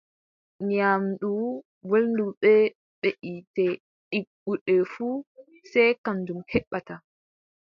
Nyaamdu welndu bee beʼitte ɗigguɗe fuu, sey kanjum heɓata.